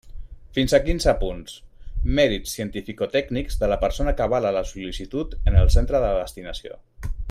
Fins a quinze punts: mèrits cientificotècnics de la persona que avala la sol·licitud en el centre de destinació.